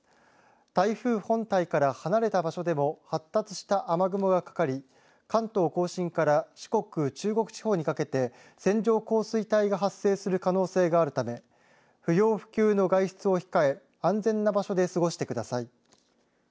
台風本体から離れた場所でも発達した雨雲がかかり関東甲信から四国・中国地方にかけて線状降水帯が発生する可能性があるため不要不急の外出を控え安全な場所で過ごしてください。